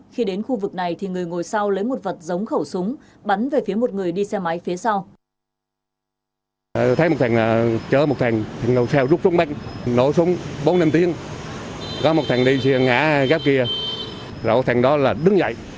khi đến khu vực này thì người ngồi sau lấy một vật giống khẩu súng bắn về phía một người đi xe máy phía sau